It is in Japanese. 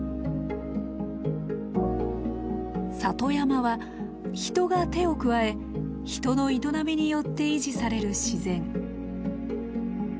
里山は人が手を加え人の営みによって維持される自然。